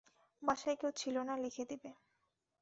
বাসায় কেউ ছিল না লিখে দিবো।